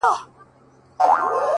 هغه به اور له خپلو سترګو پرېولي ـ